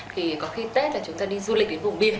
thì có khi tết là chúng ta đi du lịch đến vùng biên